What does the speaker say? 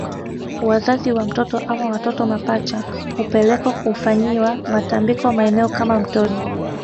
Wazazi wa mtoto ama watoto mapacha hupelekwa kufanyiwa matambiko maeneo kama mtoni